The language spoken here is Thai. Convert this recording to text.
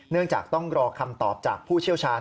จากต้องรอคำตอบจากผู้เชี่ยวชาญ